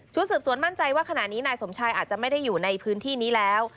สืบสวนมั่นใจว่าขณะนี้นายสมชายอาจจะไม่ได้อยู่ในพื้นที่นี้แล้ว